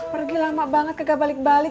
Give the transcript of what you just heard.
pergi lama banget kita balik balik